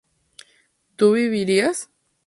¿tú vivirías?